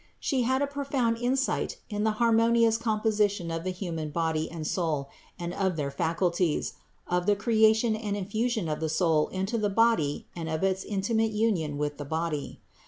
She had a profound insight into the harmonious composition of the human body and soul and of their faculties, of the creation and infusion of the soul into the body and of its intimate union with the body.